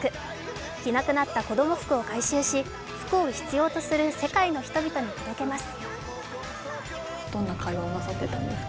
着なくなった子供服を回収し服を必要とする世界の人々に届けます。